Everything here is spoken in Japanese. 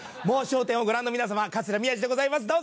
『もう笑点』をご覧の皆様桂宮治でございます。